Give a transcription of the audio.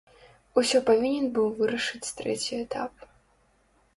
Усё павінен быў вырашыць трэці этап.